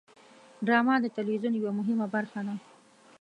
ډرامه د تلویزیون یوه مهمه برخه ده